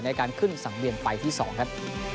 ในการขึ้นสังเวียนไปที่๒ครับ